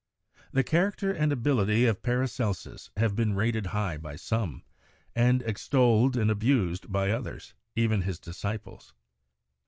The char acter and ability of Paracelsus have been rated high by some, and extolled and abused by others, even his disciples.